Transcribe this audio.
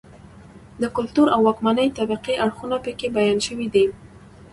د کلتور او واکمنې طبقې اړخونه په کې بیان شوي دي.